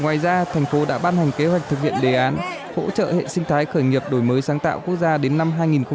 ngoài ra thành phố đã ban hành kế hoạch thực hiện đề án hỗ trợ hệ sinh thái khởi nghiệp đổi mới sáng tạo quốc gia đến năm hai nghìn hai mươi